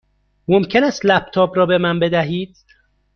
ممکن است لپ تاپ را به من بدهید؟